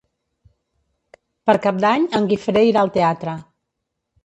Per Cap d'Any en Guifré irà al teatre.